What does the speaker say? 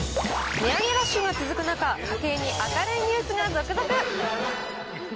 値上げラッシュが続く中、家計に明るいニュースが続々。